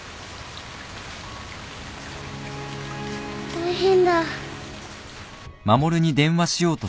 大変だ。